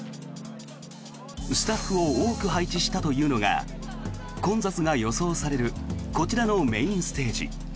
スタッフを多く配置したというのが混雑が予想されるこちらのメインステージ。